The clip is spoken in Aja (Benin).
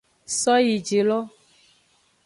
Soyijilo.